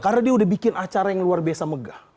karena dia udah bikin acara yang luar biasa megah